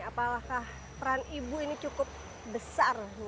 apakah peran ibu ini cukup besar